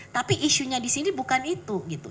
tapi isunya disini bukan itu gitu